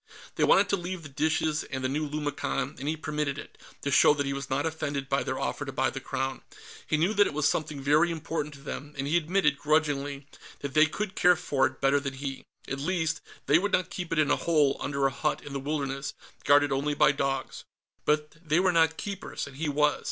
They wanted to leave the dishes and the new lumicon, and he permitted it, to show that he was not offended by their offer to buy the Crown. He knew that it was something very important to them, and he admitted, grudgingly, that they could care for it better than he. At least, they would not keep it in a hole under a hut in the wilderness, guarded only by dogs. But they were not Keepers, and he was.